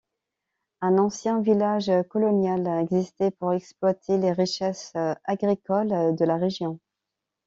Un ancien village colonial existait pour exploiter les richesses agricoles de la région.